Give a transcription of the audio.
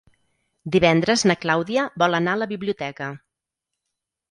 Divendres na Clàudia vol anar a la biblioteca.